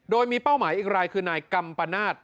โดยมีเป้าหมายอีกรายคือนายกัมปนาศ